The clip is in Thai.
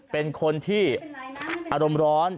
เป็นคนที่อารมณ์ร้อน